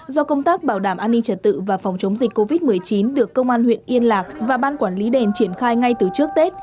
do công tác bảo đảm an ninh trật tự và phòng chống dịch covid một mươi chín được công an huyện yên lạc và ban quản lý đền triển khai ngay từ trước tết